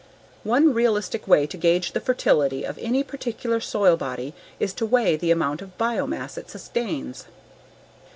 _ One realistic way to gauge the fertility of any particular soil body is to weigh the amount of biomass it sustains.